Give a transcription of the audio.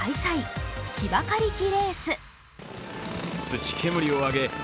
土煙を上げＦ